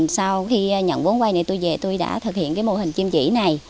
sau khi nhận vốn quay này tôi về tôi đã thực hiện mô hình chim chỉ này